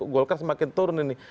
golkar semakin turun ini